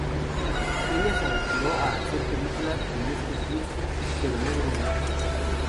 Ella se aventuró a hacer películas en este tiempo, pero no duró mucho.